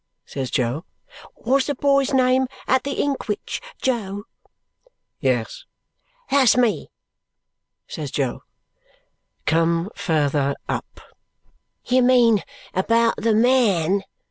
says Jo. "Was the boy's name at the inkwhich Jo?" "Yes." "That's me!" says Jo. "Come farther up." "You mean about the man?"